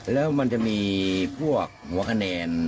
แล้วมันจะมีพวกหัวคะแนน